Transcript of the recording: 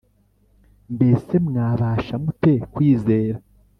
Mbese mwabasha mute kwizera